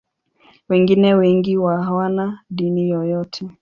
Wengine wengi hawana dini yoyote.